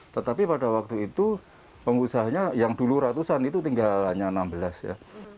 tetapi pada waktu itu pengusahanya yang dulu ratusan itu tinggal hanya enam belas ya